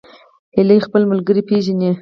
هیلۍ خپل ملګري پیژني